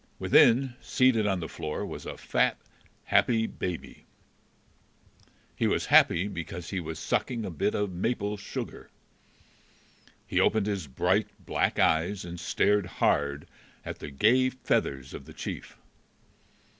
Within, seated on the floor, was a fat, happy baby. He was happy because he was sucking a bit of maple sugar. He opened his bright black eyes, and stared hard at the gay feathers of the chief.